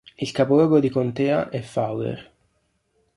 Il capoluogo di contea è Fowler.